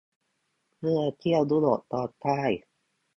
เพื่อเที่ยวยุโรปตอนใต้